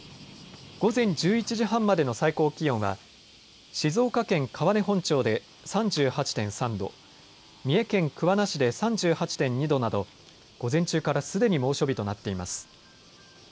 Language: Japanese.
午前１１時半までの最高気温は静岡県川根本町で３８．３度、三重県桑名市で３８．２度など午前中からすでに猛暑日となっています。